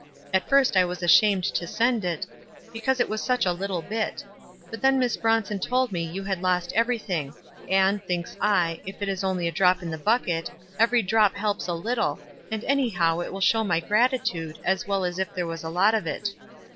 At first I was ashamed to send it, because it was such a little bit ; but then Miss Bronson told me you had lost everything; and, thinks I, if it is only a drop in the bucket, every drop helps a little, and anyhow it will show my gratitude, as well as if there was a lot of it.